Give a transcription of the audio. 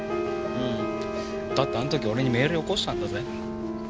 うんだってあん時俺にメールよこしたんだぜ。